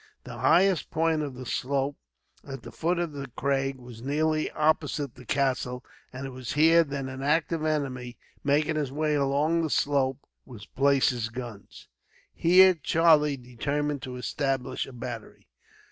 The highest point of the slope, at the foot of the crag, was nearly opposite the castle; and it was here that an active enemy, making his way along the slope, would place his guns. Here, Charlie determined to establish a battery.